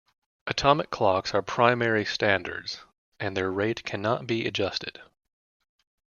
Atomic clocks are primary standards, and their rate cannot be adjusted.